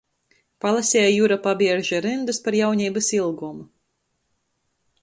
Palaseja Jura Pabierža ryndys par jauneibys ilgom.